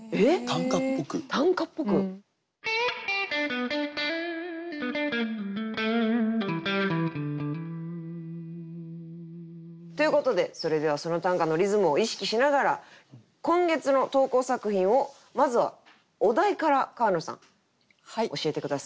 短歌っぽく？ということでそれではその短歌のリズムを意識しながら今月の投稿作品をまずはお題から川野さん教えて下さい。